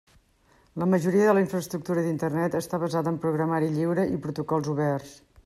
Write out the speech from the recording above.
La majoria de la infraestructura d'Internet està basada en programari lliure i protocols oberts.